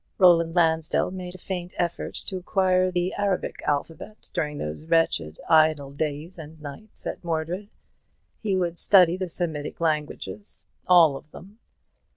Roland Lansdell made a faint effort to acquire the Arabic alphabet during those wretched idle days and nights at Mordred. He would study the Semitic languages; all of them.